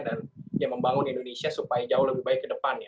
dan yang membangun indonesia supaya jauh lebih baik ke depan ya